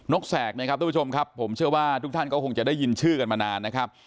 กแสกนะครับทุกผู้ชมครับผมเชื่อว่าทุกท่านก็คงจะได้ยินชื่อกันมานานนะครับ